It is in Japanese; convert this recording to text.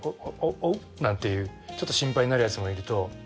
おうおうなんていうちょっと心配になるヤツもいると。